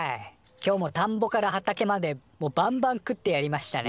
今日もたんぼから畑までもうバンバン食ってやりましたね。